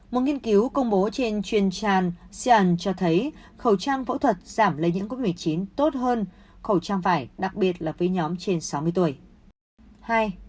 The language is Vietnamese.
một nghiên cứu công bố trên truyền tràn xi an cho thấy khẩu trang phẫu thuật giảm lây những cốt nguyện chín tốt hơn khẩu trang vải đặc biệt là với nhóm trên sáu mươi tuổi